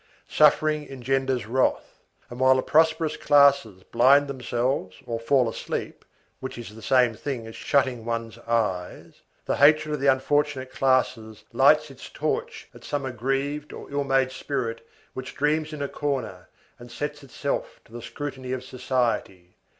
Suffering engenders wrath; and while the prosperous classes blind themselves or fall asleep, which is the same thing as shutting one's eyes, the hatred of the unfortunate classes lights its torch at some aggrieved or ill made spirit which dreams in a corner, and sets itself to the scrutiny of society.